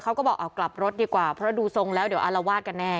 เขาก็บอกเอากลับรถดีกว่าเพราะดูทรงแล้วเดี๋ยวอารวาสกันแน่